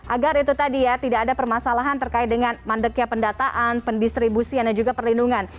agar itu tadi ya tidak ada permasalahan terkait dengan mandeknya pendataan pendistribusian dan juga perlindungan